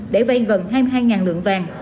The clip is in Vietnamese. để vây gần hai mươi hai lượng vàng